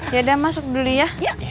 yaudah masuk dulu ya